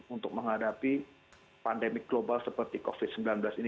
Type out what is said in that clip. untuk menghadapi pandemi global seperti covid sembilan belas ini